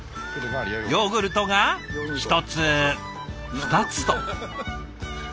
ヨーグルトが１つ２つと。